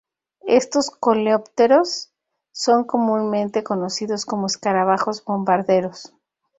Estos coleópteros son comúnmente conocidos como escarabajos bombarderos.